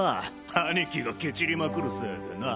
兄貴がケチりまくるせいでな。